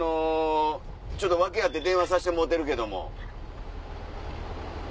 ちょっと訳あって電話さしてもろてるけども。